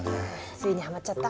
ついにハマっちゃった？